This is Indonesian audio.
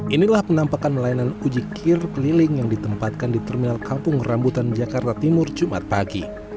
inilah penampakan layanan uji kir keliling yang ditempatkan di terminal kampung rambutan jakarta timur jumat pagi